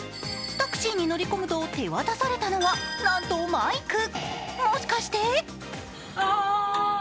タクシーに乗り込むと手渡されたのはなんとマイク。